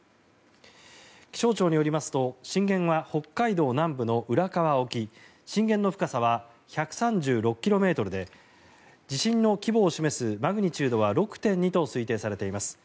気象庁によりますと震源は北海道南部の浦河沖震源の深さは１３６ｋｍで地震の規模を示すマグニチュードは６．２と推定されています。